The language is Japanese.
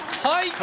はい。